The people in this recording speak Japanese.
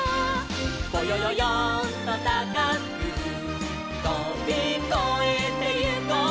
「ぼよよよんとたかくとびこえてゆこう」